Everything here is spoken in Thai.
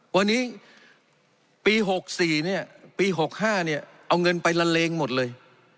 วันนี้ปี๖๔ปี๖๕เอาเงินไปละเลงหมดเลย